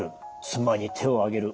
妻に手を上げる。